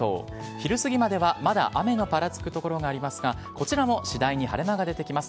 昼過ぎまではまだ雨のぱらつく所がありますが、こちらも次第に晴れ間が出てきます。